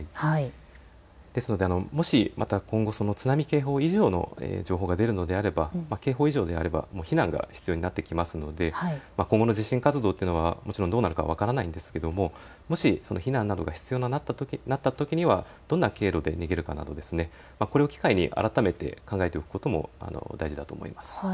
ですので、もしまた今後、津波警報以上の情報が出るのであれば警報以上であれば避難が必要になってきますので、今後の地震活動というのはもちろんどうなるかは分からないんですが、もし避難などが必要になったときにはどんな経路で逃げるかなどこれを機会に改めて考えておくことも大事だと思います。